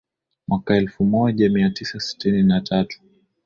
mwaka elfu moja mia tisa sitini na tatu